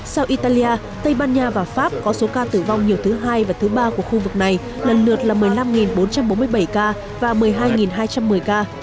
sau italia tây ban nha và pháp có số ca tử vong nhiều thứ hai và thứ ba của khu vực này lần lượt là một mươi năm bốn trăm bốn mươi bảy ca và một mươi hai hai trăm một mươi ca